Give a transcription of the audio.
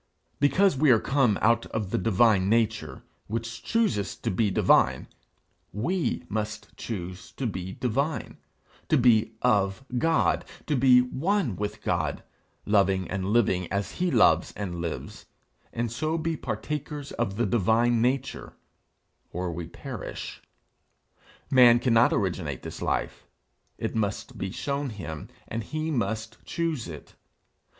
Because we are come out of the divine nature, which chooses to be divine, we must choose to be divine, to be of God, to be one with God, loving and living as he loves and lives, and so be partakers of the divine nature, or we perish. Man cannot originate this life; it must be shown him, and he must choose it.